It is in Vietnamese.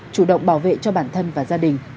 chủ động bảo vệ cho bản thân và gia đình